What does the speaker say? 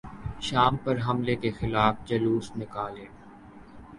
شام پر حملے کیخلاف جلوس نکالیں